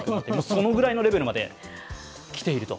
そのぐらいのレベルまできていると。